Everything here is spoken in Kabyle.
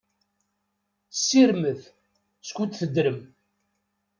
Ssirmet, skud teddrem!